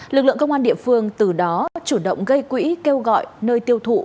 lực lượng công an địa phương từ đó chủ động gây quỹ kêu gọi nơi tiêu thụ